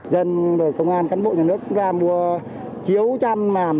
dân công an cánh bộ nhà nước ra mua chiếu chăn màm